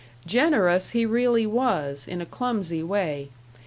Generous he really was, in a clumsy way.